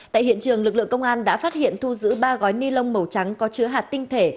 tại hiện trường lực lượng công an đã phát hiện thu giữ ba gói ni lông màu trắng có chứa hạt tinh thể